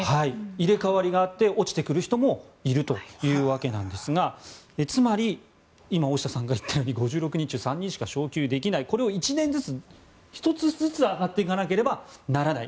入れ替わりがあって落ちてくる人もいるというわけですがつまり今、大下さんが言ったように５６人中３人しか昇級できないこれを１年ずつ、１つずつ上がっていかなければならない。